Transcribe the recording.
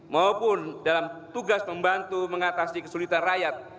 maupun dalam tugas membantu mengatasi kesulitan rakyat